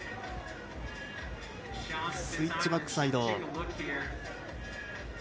スイッチバックサイド。